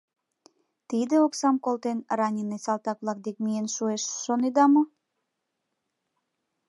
Тиде оксам колтен — раненый салтак-влак дек миен шуэш, шонеда мо?